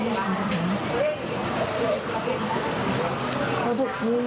คือจริงเราไม่ได้ทำแบบนั้น